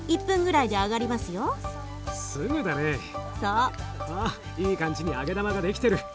いい感じに揚げ玉が出来てる。